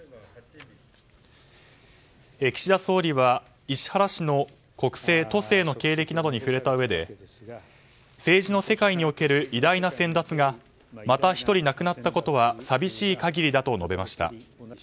岸田総理は石原氏の国政・都政の経歴などに触れたうえで政治の世界における偉大な先達がまた１人亡くなったことは寂しい限りだと述べました。